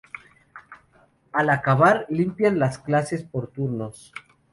Al acabar, limpiaban las clases por turnos.